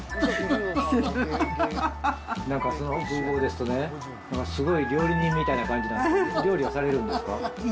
なんか、その風貌ですと、なんかすごい料理人みたいな感じがされるんですが、料理はされるんですか？